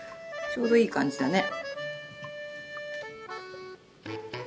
ちょうどいい感じだね。